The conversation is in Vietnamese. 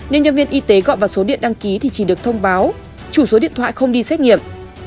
nên nhân viên y tế gọi vào số điện đăng ký thì chỉ được thông báo chủ số điện thoại không đi xét nghiệm